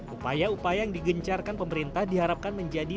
upaya upaya yang digencarkan pemerintah diharapkan menjadi